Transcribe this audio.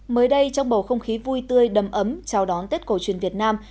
mới đây trong bầu không khí vui tươi đầm ấm chào đón tết cổ truyền việt nam